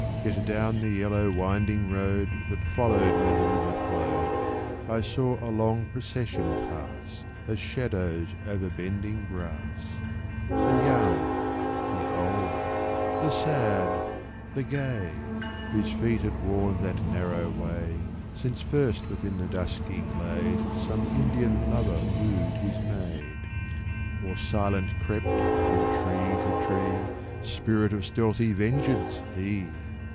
Yet down the yellow, winding road That followed where the river flowed. I saw a long procession pass As shadows over bending grass. The young, the old, the sad, the gay, Whose feet had worn that narrow way, Since first within the dusky glade Some Indian lover wooed his maid ; 214 THE MOUNTAIN ROAD Or silent crept from tree to tree — Spirit of stealthy vengeance, he